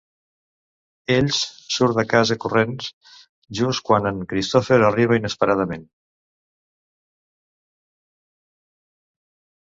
Ells surt de casa corrents, just quan en Christopher arriba inesperadament.